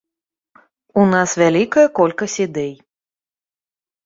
У нас вялікая колькасць ідэй.